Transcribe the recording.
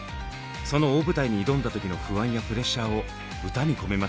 その大舞台に挑んだ時の不安やプレッシャーを歌に込めました。